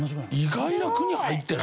意外な国入ってない？